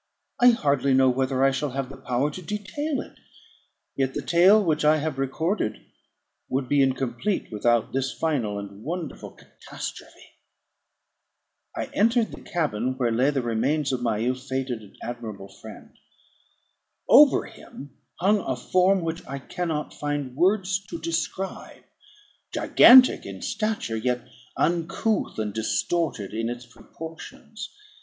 I hardly know whether I shall have the power to detail it; yet the tale which I have recorded would be incomplete without this final and wonderful catastrophe. I entered the cabin, where lay the remains of my ill fated and admirable friend. Over him hung a form which I cannot find words to describe; gigantic in stature, yet uncouth and distorted in its proportions.